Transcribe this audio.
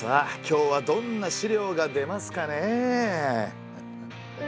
今日はどんな資料が出ますかねえ。